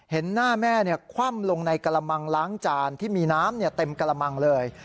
เห็นหน้าแม่คว่ำลงในกระมังล้างจานที่มีน้ำเต็มกระมังเลย